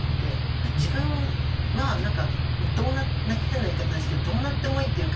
自分は何か変な言い方ですけどどうなってもいいっていうか。